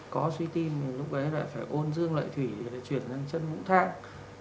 có suy tim thì lúc đấy lại phải ôn dương lợi thủy để chuyển sang chân vũ thang